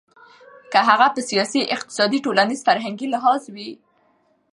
که هغه په سياسي، اقتصادي ،ټولنيز، فرهنګي لحاظ وي .